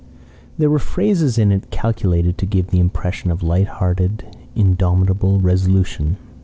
There were phrases in it calculated to give the impression of light hearted, indomitable resolution.